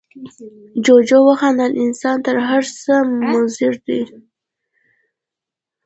جوجو وخندل، انسان تر هر څه مضر دی.